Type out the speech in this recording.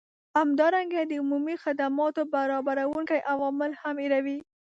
همدارنګه د عمومي خدماتو برابروونکي عوامل هم هیروي